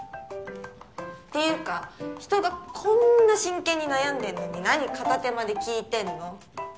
っていうか人がこんな真剣に悩んでんのになに片手間で聞いてんの！？